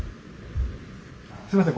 すいません。